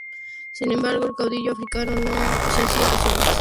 Sin embargo, el caudillo africano no se hacía ilusiones.